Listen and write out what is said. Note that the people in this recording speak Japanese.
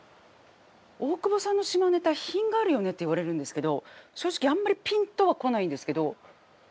大久保さんの下ネタ品があるよねって言われるんですけど正直あんまりピンとは来ないんですけど。